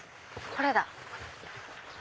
これだ。